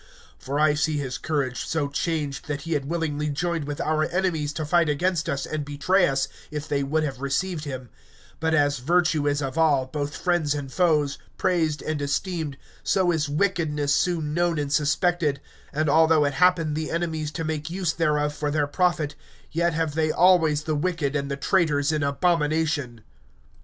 For I see his courage so changed that he had willingly joined with our enemies to fight against us and betray us, if they would have received him; but as virtue is of all, both friends and foes, praised and esteemed, so is wickedness soon known and suspected, and although it happen the enemies to make use thereof for their profit, yet have they always the wicked and the traitors in abomination.